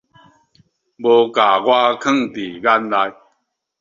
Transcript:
無共我放在眼內